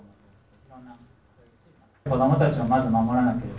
子どもたちをまず守らなければ。